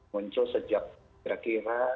muncul sejak kira kira